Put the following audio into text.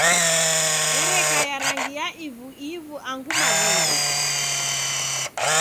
Ereka ya rangi ya ivu ivu angu maw'ingu.